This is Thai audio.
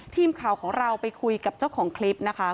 ทีมข่าวของเราไปคุยกับเจ้าของคลิปนะคะ